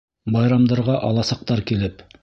Байрамдарға аласаҡтар килеп.